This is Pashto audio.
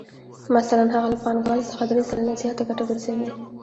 مثلاً هغه له پانګوال څخه درې سلنه زیاته ګټه ګرځوي